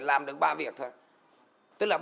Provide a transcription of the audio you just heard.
làm được ba việc thôi